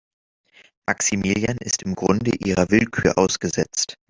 Maximilian ist im Grunde ihrer Willkür ausgesetzt.